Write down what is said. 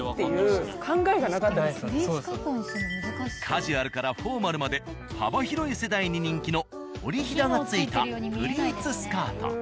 カジュアルからフォーマルまで幅広い世代に人気の織りひだがついたプリーツスカート。